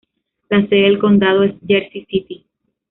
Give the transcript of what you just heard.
La sede del condado es Jersey City.